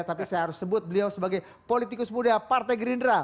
tapi saya harus sebut beliau sebagai politikus muda partai gerindra